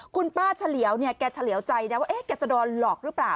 คุณป้าเฉลียวเนี่ยแกเฉลี่ยวใจนะว่าแกจะโดนหลอกหรือเปล่า